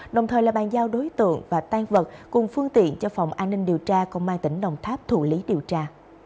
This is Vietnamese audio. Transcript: đồng thời là bàn giao đối tượng và tan vật cùng phương tiện cho phòng an ninh điều tra công an tỉnh đồng tháp thủ lý điều tra